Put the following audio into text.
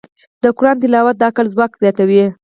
د قرآن تلاوت د عقل ځواک زیاتوي.